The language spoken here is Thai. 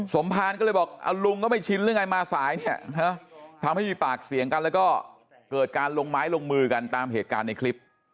สมภารก็เลยบอกเอาลุงก็ไม่ชินหรือไงมาสายเนี่ยทำให้มีปากเสียงกันแล้วก็เกิดการลงไม้ลงมือกันตามเหตุการณ์ในคลิป